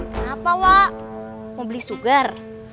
kenapa wak mau beli sugar